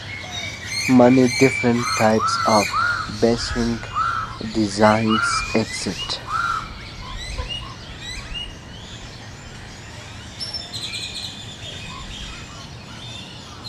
Many different types of bushing designs exist.